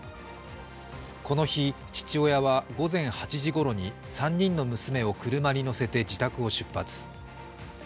この日、父親は午前８時ごろに３人の娘を車に乗せて自宅を出発。